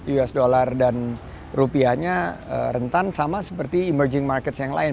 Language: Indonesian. usd dan rupiahnya rentan sama seperti emerging markets yang lain